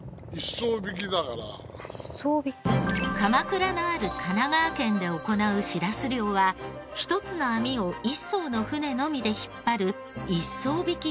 鎌倉がある神奈川県で行うしらす漁は１つの網を１艘の船のみで引っ張る一艘曳き